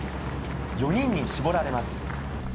４人に絞られます。